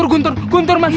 guntur guntur umi